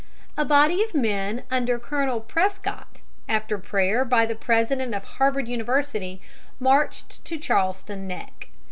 A body of men under Colonel Prescott, after prayer by the President of Harvard University, marched to Charlestown Neck.